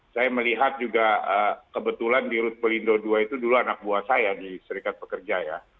saya melihat juga kebetulan di rut pelindo ii itu dulu anak buah saya di serikat pekerja ya